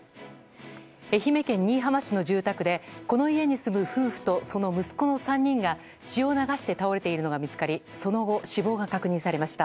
愛媛県新居浜市の住宅でこの家に住む夫婦とその息子の３人が血を流して倒れているのが見つかりその後、死亡が確認されました。